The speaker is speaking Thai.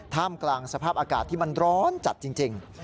ท่ามกลางสภาพอากาศที่มันร้อนจัดจริง